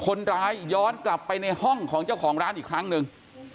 ย้อนกลับไปในห้องของเจ้าของร้านอีกครั้งหนึ่ง